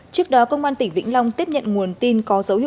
trước đó công an tỉnh vĩnh long tiếp nhận nguồn tin có dấu hiệu tội phạm